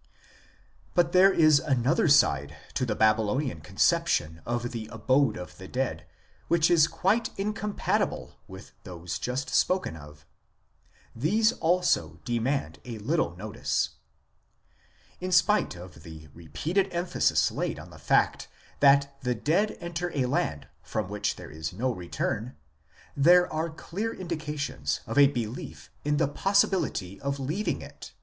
2 But there is another side to the Babylonian conception of the abode of the dead which is quite incompatible with those just spoken of ; these also demand a little notice. In spite of the repeated emphasis laid on the fact that the dead enter a land from which there is no return, there are clear indications of a belief in the possibility of leaving it.